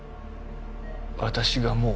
私がもう